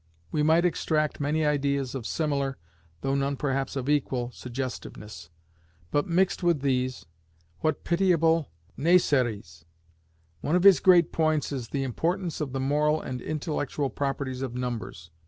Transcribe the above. We might extract many ideas of similar, though none perhaps of equal, suggestiveness. But mixed with these, what pitiable niaiseries! One of his great points is the importance of the "moral and intellectual properties of numbers."